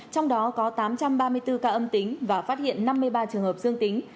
trong đó có tám trăm ba mươi bốn ca âm tính và phát hiện năm mươi ba trường hợp dương tính